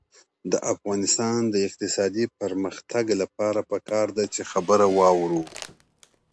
د افغانستان د اقتصادي پرمختګ لپاره پکار ده چې خبره واورو.